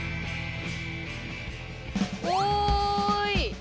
おい。